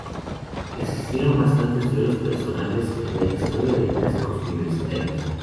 Existieron bastantes duelos personales en la historia de los Clásicos Universitarios.